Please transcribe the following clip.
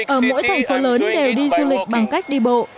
ở mỗi thành phố lớn đều đi du lịch bằng cách đi bộ